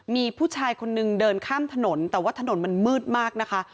มีผู้ชายคนนึงเดินข้ามถนนแต่ว่าถนนมันมืดมากนะคะ